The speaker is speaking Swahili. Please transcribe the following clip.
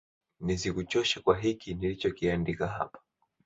nisikuchoshe kwa hiki nilichokiandika hapa